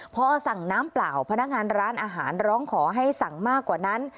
พอสั่งน้ำเปล่าพนักงานร้านอาหารร้องขอให้สั่งมากกว่านั้น